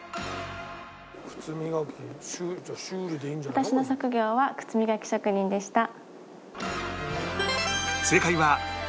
私の職業は靴磨き職人でした。